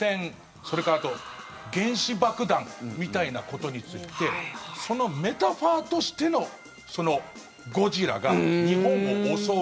それからあと原子爆弾みたいなことについてそのメタファーとしてのゴジラが日本を襲う。